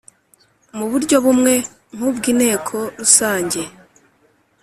mu buryo bumwe nk ubw inteko Rusange